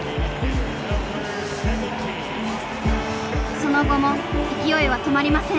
その後も勢いは止まりません。